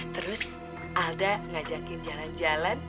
terus alda ngajakin jalan jalan